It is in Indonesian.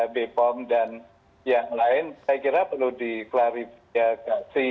bepom dan yang lain saya kira perlu diklarifikasi